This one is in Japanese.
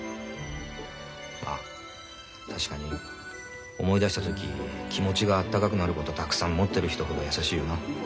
ま確かに思い出した時気持ちが温かくなることたくさん持ってる人ほど優しいよな。